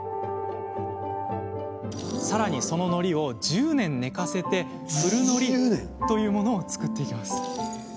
さらに、その、のりを１０年寝かせて古のりというものを作ります。